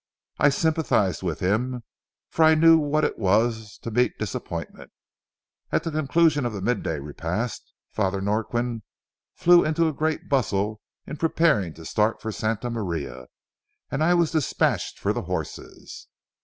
I sympathized with him, for I knew what it was to meet disappointment. At the conclusion of the mid day repast, Father Norquin flew into a great bustle in preparing to start for Santa Maria, and I was dispatched for the horses.